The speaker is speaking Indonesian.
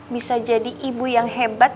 bisa jadi ibu yang hebat